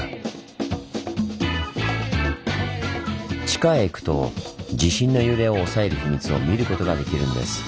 地下へ行くと地震の揺れを抑える秘密を見ることができるんです。